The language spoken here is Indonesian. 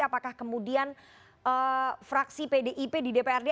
apakah kemudian fraksi pdip di dprd